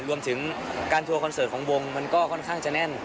รวมถึงการทัวร์คอนเสิร์ตของวงมันก็ค่อนข้างจะแน่น